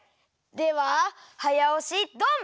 でははやおしドン！